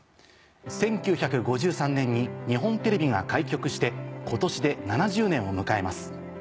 １９５３年に日本テレビが開局して今年で７０年を迎えます。